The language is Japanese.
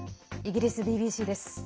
イギリスＢＢＣです。